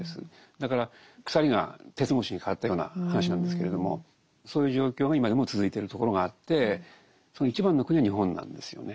だから「鎖」が「鉄格子」に変わったような話なんですけれどもそういう状況が今でも続いてるところがあってその一番の国は日本なんですよね。